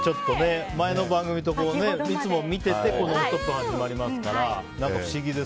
前の番組、いつも見てて「ノンストップ！」が始まりますから、不思議です。